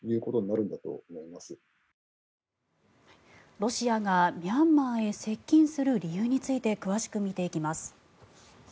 ロシアがミャンマーへ接近する理由について詳しく見ていきます。